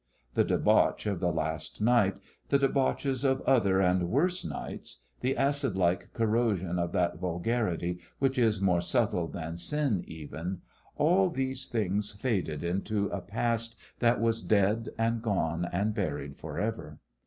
The debauch of the last night, the debauches of other and worse nights, the acid like corrosion of that vulgarity which is more subtle than sin even, all these things faded into a past that was dead and gone and buried forever.